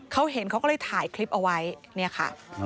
เขาเห็นเขาก็เลยถ่ายคลิปเอาไว้เนี่ยค่ะ